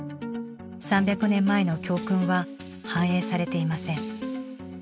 ３００年前の教訓は反映されていません。